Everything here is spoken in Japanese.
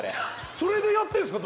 それでやってんすか？